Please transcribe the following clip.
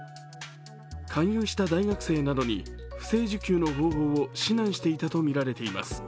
勧誘した大学生などに不正受給の方法などを指南していたとみられています。